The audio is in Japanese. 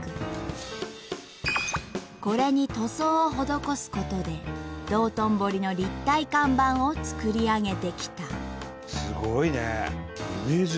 これに塗装をほどこすことで道頓堀の立体看板を作り上げてきた。